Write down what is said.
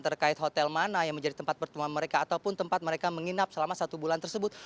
terkait hotel mana yang menjadi tempat pertemuan mereka ataupun tempat mereka menginap selama satu bulan tersebut